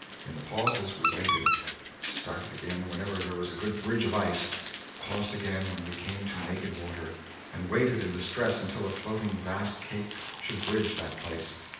In the pauses we waited; started again whenever there was a good bridge of ice; paused again when we came to naked water and waited in distress until a floating vast cake should bridge that place.